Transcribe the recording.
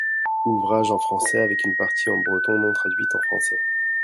Ouvrage en français avec une partie en breton non traduite en français.